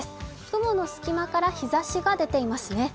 雲の隙間から日ざしが出ていますね。